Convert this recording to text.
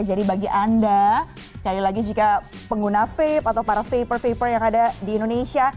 jadi bagi anda sekali lagi jika pengguna vape atau para vaper vaper yang ada di indonesia